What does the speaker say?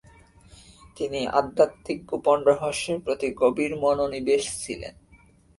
তিনি আধ্যাত্মিক গোপন রহস্যের প্রতি গভীর মনোনিবেশ ছিলেন ।